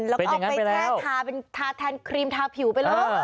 แล้วก็ออกไปแชร์ทาทานครีมทาผิวไปเลย